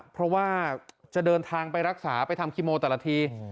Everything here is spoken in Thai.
เพราะว่าจะเดินทางไปรักษาไปทำคีโมแต่ละที